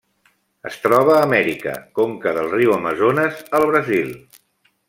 Es troba a Amèrica: conca del riu Amazones al Brasil.